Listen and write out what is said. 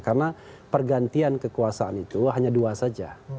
karena pergantian kekuasaan itu hanya dua saja